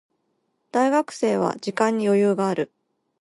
大学生は時間に余裕がある。